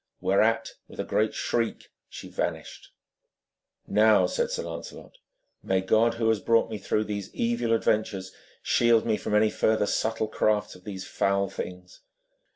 Whereat, with a great shriek, she vanished. 'Now,' said Sir Lancelot, 'may God, who has brought me through these evil adventures, shield me from any further subtle crafts of these foul things.'